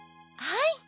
はい。